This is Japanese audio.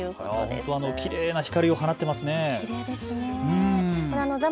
本当にきれいな光を放っています。